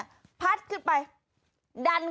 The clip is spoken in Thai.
ค่ะคือเมื่อวานี้ค่ะ